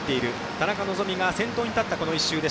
田中希実が先頭に立ったこの１周。